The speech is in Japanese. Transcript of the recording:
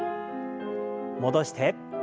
戻して。